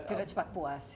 sudah cepat puas